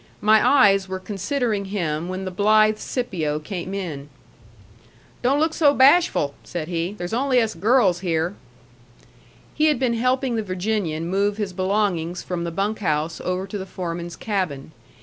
My eyes were considering him when the blithe Scipio came in. "Don't look so bashful," said he. "There's only us girls here." He had been helping the Virginian move his belongings from the bunk house over to the foreman's cabin.